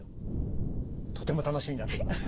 とても楽しみになってきました。